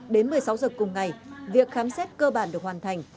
đến một mươi sáu giờ cùng ngày việc khám xét cơ bản được hoàn thành